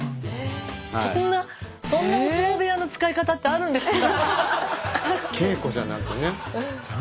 そんなそんなお相撲部屋の使い方ってあるんですか。